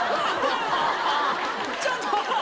ちょっと！